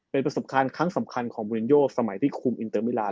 เป็นประสบการณ์ครั้งสำคัญของมูลินโยสมัยที่คุมอินเตอร์มิลาน